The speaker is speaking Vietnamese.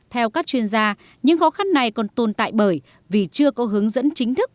theo các chuyên gia những khó khăn này còn tồn tại bởi vì chưa có hướng dẫn chính thức